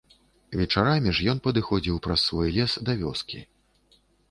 Вечарамі ж ён падыходзіў праз свой лес да вёскі.